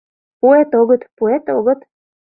Пуэт-огыт, пуэт-огыт?!